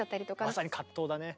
まさに藤だね。